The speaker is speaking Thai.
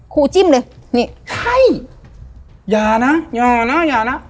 จิ้มเลยนี่ไข้อย่านะอย่านะอย่านะ